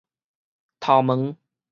頭毛